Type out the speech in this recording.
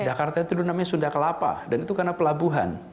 pertama kita tidur namanya sunda kelapa dan itu karena pelabuhan